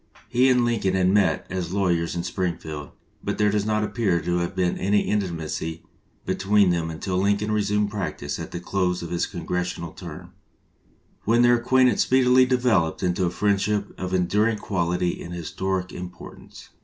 He and Lincoln had met as lawyers in Springfield, but there does not appear to have been any intimacy between them until Lincoln resumed practice at the close of his congressional term, when their acquaintance speedily devel oped into a friendship of enduring quality and historic importance.